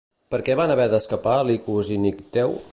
Per què van haver d'escapar Licos i Nicteu?